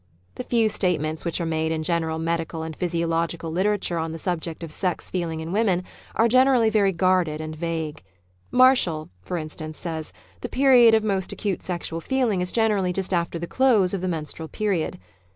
The few statements which are made in general medical and physiological literature on the subject of sex feeling in women are generally very guarded and vague. Marshall ("Physiology of Reproduction," p. 138), for instance, says: "The period of most acute sexual feeling is generally just after the close of the menstrual period."